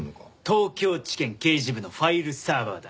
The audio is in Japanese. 東京地検刑事部のファイルサーバーだ。